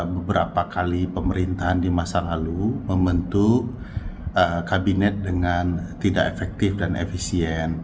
beberapa kali pemerintahan di masa lalu membentuk kabinet dengan tidak efektif dan efisien